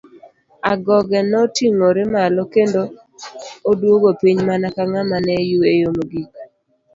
Agoge noting'ore malo kendo oduogo piny mana ka ng'ama ne yueyo mogik.